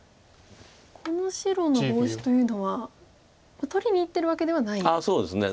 この白のボウシというのは取りにいってるわけではないんですね。